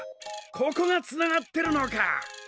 ここがつながってるのか。